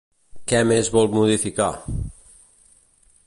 Què més vol modificar?